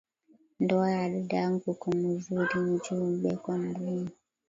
Ndoa ya dada yangu iko muzuri nju beko na rima